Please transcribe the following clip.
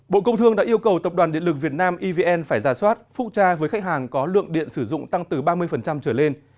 bộ công thương đã yêu cầu tập đoàn điện lực việt nam evn phải ra soát phúc tra với khách hàng có lượng điện sử dụng tăng từ ba mươi trở lên